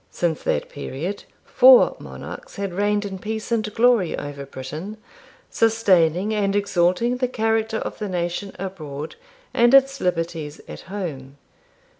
Since that period four monarchs had reigned in peace and glory over Britain, sustaining and exalting the character of the nation abroad and its liberties at home.